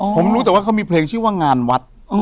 ผมรู้แต่ว่าเขามีเพลงชื่อว่างานวัด